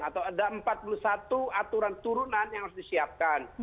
atau ada empat puluh satu aturan turunan yang harus disiapkan